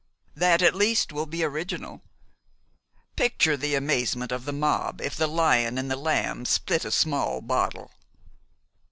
That, at least, will be original. Picture the amazement of the mob if the lion and the lamb split a small bottle."